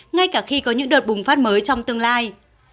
ngay cả khi có những đợt bùng phát mới trong tương lai